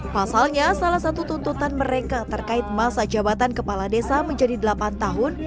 pasalnya salah satu tuntutan mereka terkait masa jabatan kepala desa menjadi delapan tahun